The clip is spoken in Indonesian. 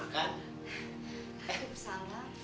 kok kalian makan